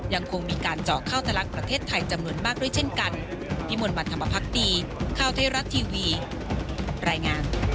ยังคงมีการเจาะเข้าทะลักประเทศไทยจำนวนมากด้วยเช่นกัน